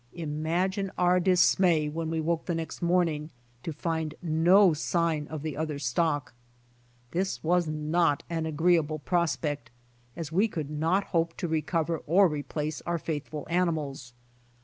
Imagine our dismay when we woke the next morning to find no sign of the other stock. This was not an agreeable, prospect, as we could not hope to recover or replace our faithful animals.